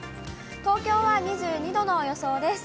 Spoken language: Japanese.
東京は２２度の予想です。